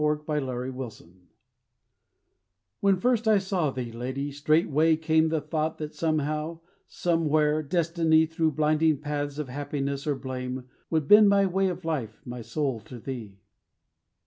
WHEN FIRST I SAW THEE When first I saw thee, lady, straightway came The thought that somehow, somewhere, destiny, Through blinding paths of happiness or blame, Would bend my way of life, my soul to thee.